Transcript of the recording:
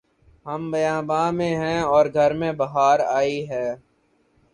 ہم بیاباں میں ہیں اور گھر میں بہار آئی ہے